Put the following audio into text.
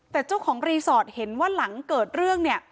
แต่เจ้าของรีสอร์ทเห็นว่าหลังเกิดเรื่องเนี่ย